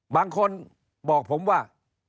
บางคนบอกผมว่า